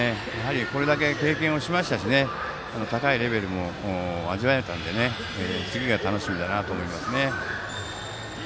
これだけ経験をしましたし高いレベルも味わえたので次が楽しみだなと思います。